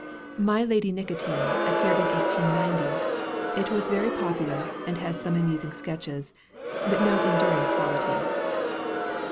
'My Lady Nicotine' appeared in 1890; it was very popular, and has some amusing sketches, but no enduring quality.